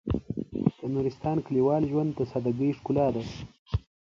د نورستان کلیوال ژوند د سادهګۍ ښکلا ده.